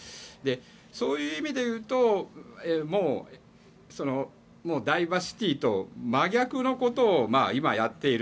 そういう意味で言うともう、ダイバーシティーと真逆のことを今やっている。